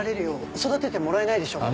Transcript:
育ててもらえないでしょうか。